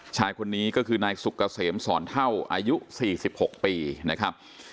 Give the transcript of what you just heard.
ชายคนนี้ก็คือนายสุกเกษมสอนเท่าอายุ๔๖ปีนะครับ